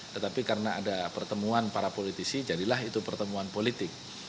tetapi karena ada pertemuan para politisi jadilah itu pertemuan politik